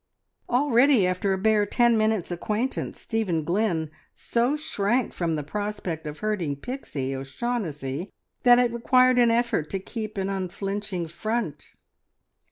Already, after a bare ten minutes' acquaintance, Stephen Glynn so shrank from the prospect of hurting Pixie O'Shaughnessy that it required an effort to keep an unflinching front.